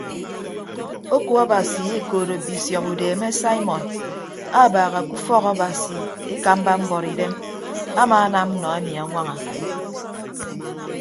Oku abasi ekoodo bisiọp udeeme saimọn abaaha ke ufọk abasi ekamba mbuọtidem amaanam nọ emi añwaña.